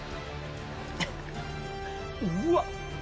うわっ！